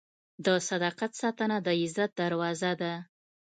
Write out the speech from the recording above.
د صداقت ساتنه د عزت دروازه ده.